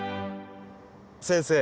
先生